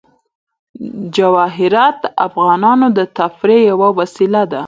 جواهرات د افغانانو د تفریح یوه وسیله ده.